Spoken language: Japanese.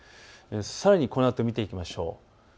さらにこのあと見ていきましょう。